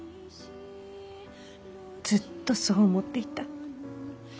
ずっとそう思っていた。